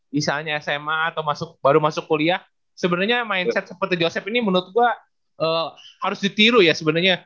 misalnya sma atau baru masuk kuliah sebenarnya mindset seperti joseph ini menurut gue harus ditiru ya sebenarnya